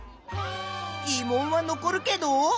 ぎ問は残るけど。